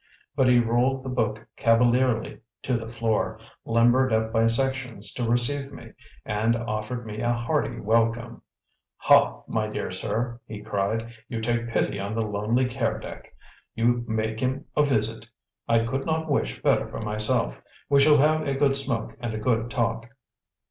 But he rolled the book cavalierly to the floor, limbered up by sections to receive me, and offered me a hearty welcome. "Ha, my dear sir," he cried, "you take pity on the lonely Keredec; you make him a visit. I could not wish better for myself. We shall have a good smoke and a good talk."